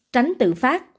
tránh tự phát